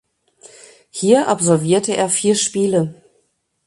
Hier absolvierte er vier Spiele.